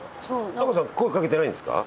阿川さん声かけてないんですか？